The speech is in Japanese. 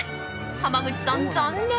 濱口さん、残念！